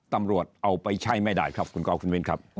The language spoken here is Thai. ตำรวจเอาไปใช้ไม่ได้ครับคุณกอล์คุณมินครับ